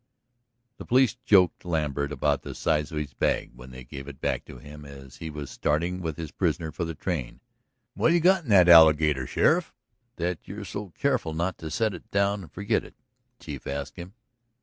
The police joked Lambert about the size of his bag when they gave it back to him as he was starting with his prisoner for the train. "What have you got in that alligator, Sheriff, that you're so careful not to set it down and forget it?" the chief asked him.